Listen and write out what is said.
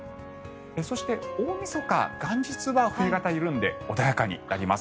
そして大みそか、元日は冬型が緩んで穏やかになります。